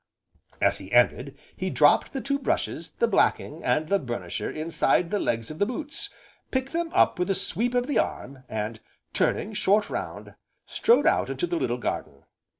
As he ended, he dropped the two brushes, the blacking, and the burnisher inside the legs of the boots, picked them up with a sweep of the arm, and, turning short round, strode out into the little garden.